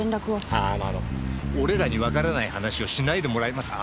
ああのあの俺らにわからない話をしないでもらえますか。